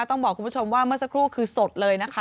ต้องบอกคุณผู้ชมว่าเมื่อสักครู่คือสดเลยนะคะ